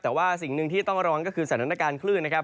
แต่ว่าสิ่งหนึ่งที่ต้องระวังก็คือสถานการณ์คลื่นนะครับ